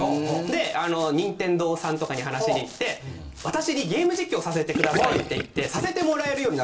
であの任天堂さんとかに話しに行って「私にゲーム実況をさせてください」って言って。